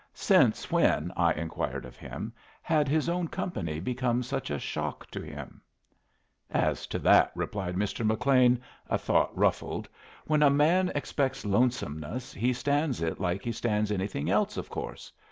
Since when, I inquired of him, had his own company become such a shock to him? "As to that," replied Mr. McLean, a thought ruffled, "when a man expects lonesomeness he stands it like he stands anything else, of course.